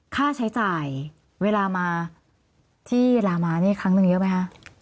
ค่าใช้จ่ายเวลามาที่ลามานี่ครั้งหนึ่งเยอะไหมคะ